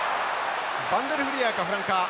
バンデルフリアーがフランカー。